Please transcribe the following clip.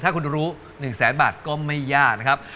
ถ้าคุณรู้๑แสนบาทก็ไม่ยากนะครับ